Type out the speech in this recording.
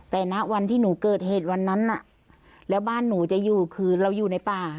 แต่ณวันที่หนูเกิดเหตุวันนั้นน่ะแล้วบ้านหนูจะอยู่คือเราอยู่ในป่า